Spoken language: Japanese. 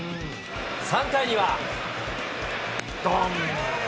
３回にはどん。